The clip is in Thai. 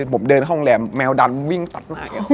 เป็นร้านสุด